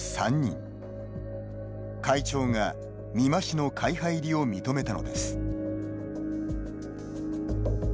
会長が、美馬氏の会派入りを認めたのです。